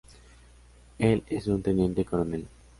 Él es un Teniente Coronel.